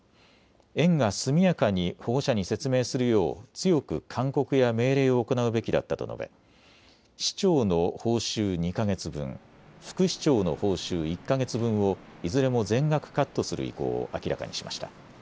園が速やかに保護者に説明するよう強く勧告や命令を行うべきだったと述べ市長の報酬２か月分、副市長の報酬１か月分をいずれも全額カットする意向を明らかにしました。